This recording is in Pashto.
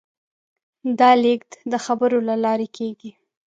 دا لېږد د خبرو له لارې کېږي.